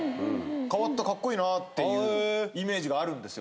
変わったかっこいいなっていうイメージがあるんですよ。